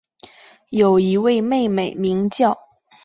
有一位妹妹名叫。